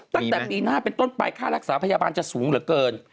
ตั้งแต่ปีหน้าเป็นต้นไปค่ารักษาพยาบาลจะสูงเหลือเกิน